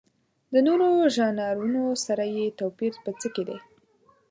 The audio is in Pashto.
د نورو ژانرونو سره یې توپیر په څه کې دی؟